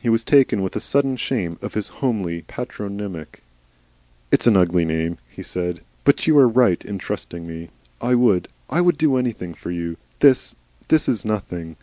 He was taken with a sudden shame of his homely patronymic. "It's an ugly name," he said. "But you are right in trusting me. I would I would do anything for you.... This is nothing."